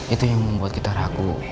itu yang membuat kita ragu